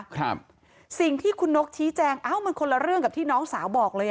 ครับสิ่งที่คุณนกชี้แจงเอ้ามันคนละเรื่องกับที่น้องสาวบอกเลย